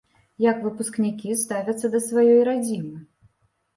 Як выпускнікі ставяцца да сваёй радзімы?